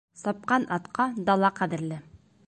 Сапҡан атҡа дала ҡәҙерле